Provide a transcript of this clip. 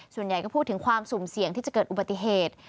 ส่วนใหญ่ก็พูดถึงความสุ่มเสี่ยงที่จะเกิดอุบัติเหตุ